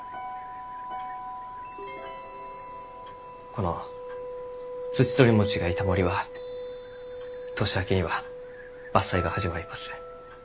このツチトリモチがいた森は年明けには伐採が始まります。